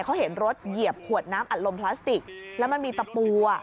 เขาเห็นรถเหยียบขวดน้ำอัดลมพลาสติกแล้วมันมีตะปูอ่ะ